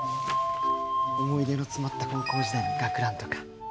思い出の詰まった高校時代の学ランとか。